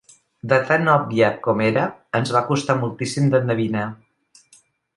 De tan òbvia com era, ens va costar moltíssim d'endevinar.